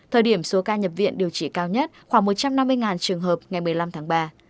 thời điểm số ca nhập viện điều trị cao nhất khoảng một trăm năm mươi trường hợp ngày một mươi năm tháng ba